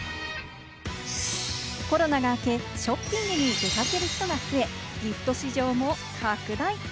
コロナが明け、ショッピングに出掛ける人が増え、ギフト市場も拡大。